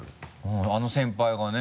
あの先輩がね。